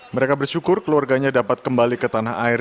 mereka bersyukur keluarganya dapat kembali ke tanah air